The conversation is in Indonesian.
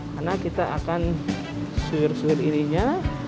karena kita akan suhir suhir ininya